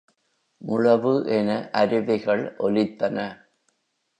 முழவு என அருவிகள் ஒலித்தன.